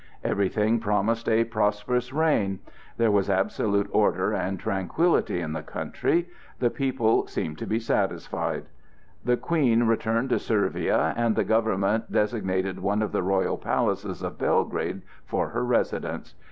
Everything promised a prosperous reign. There was absolute order and tranquillity in the country; the people seemed to be satisfied. The Queen returned to Servia, and the government designated one of the royal palaces of Belgrade for her residence.